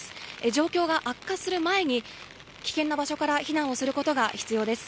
状況が悪化する前に危険な場所から避難をすることが必要です。